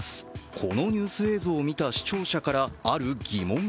このニュース映像を見た視聴者から、ある疑問が。